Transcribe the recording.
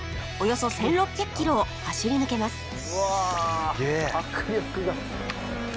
およそ１６００キロを走り抜けます